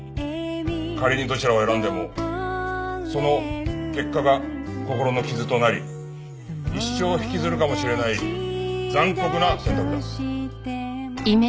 仮にどちらを選んでもその結果が心の傷となり一生引きずるかもしれない残酷な選択だ。